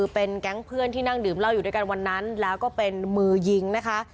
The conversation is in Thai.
เป็นแก๊งเพื่อนที่นั่งดื่มเหล้าอยู่ด้วยกันวันนั้นแล้วก็เป็นมือยิงนะคะ